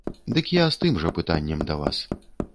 Дык я з тым жа пытаннем да вас.